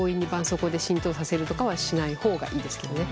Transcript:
そうこうで浸透させるとかはしない方がいいですけどね。